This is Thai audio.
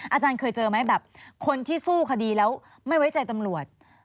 อาจารย์เคยเจอไหมแบบคนที่สู้คดีแล้วไม่ไว้ใจตำรวจ